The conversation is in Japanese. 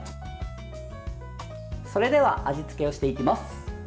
それでは味付けをしていきます。